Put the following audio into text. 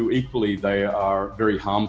sama sekali mereka sangat berbahaya